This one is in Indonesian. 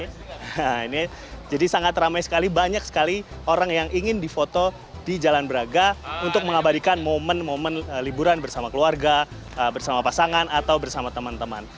nah ini jadi sangat ramai sekali banyak sekali orang yang ingin difoto di jalan braga untuk mengabadikan momen momen liburan bersama keluarga bersama pasangan atau bersama teman teman